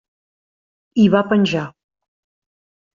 I va penjar.